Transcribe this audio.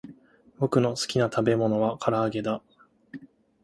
ぼくのすきなたべものはからあげだ